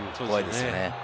怖いですね。